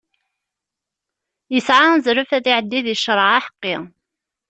Yesɛa azref ad iɛeddi deg ccreɛ aḥeqqi.